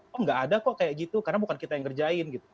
kok nggak ada kok kayak gitu karena bukan kita yang ngerjain gitu